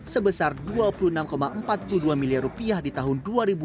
sebesar rp dua puluh enam empat puluh dua miliar di tahun dua ribu dua puluh